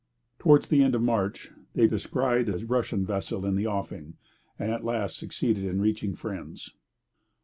Towards the end of March they descried a Russian vessel in the offing, and at last succeeded in reaching friends.